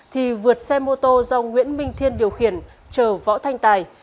thì vượt xe mô tô do nguyễn minh thiên điều khiển chở võ thanh tài